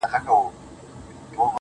ستا د شعر دنيا يې خوښـه سـوېده~